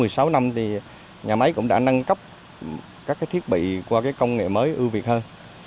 sau một mươi sáu năm nhà máy cũng đã nâng cấp các thiết bị qua công nghệ mới ưu việt hơn